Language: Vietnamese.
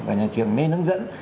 và nhà trường nên hướng dẫn